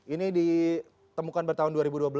ini ditemukan pada tahun dua ribu dua belas